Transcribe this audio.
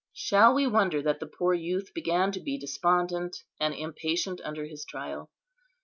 Shall we wonder that the poor youth began to be despondent and impatient under his trial?